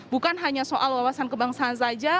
bukan hanya soal wawasan kebangsaan saja